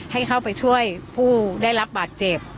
ให้เข้าไปช่วยผู้ได้รับบาดเจ็บ